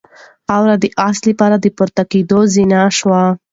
خاوره د آس لپاره د پورته کېدو زینه شوه.